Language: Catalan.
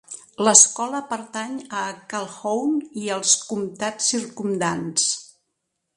L'escola pertany a Calhoun i als comtats circumdants.